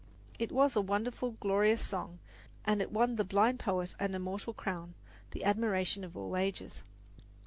It was a wonderful, glorious song, and it won the blind poet an immortal crown, the admiration of all ages.